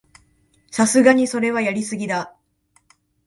さすがにそれはやりすぎだ